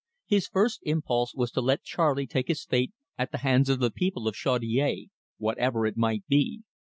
His first impulse was to let Charley take his fate at the hands of the people of Chaudiere, whatever it might be.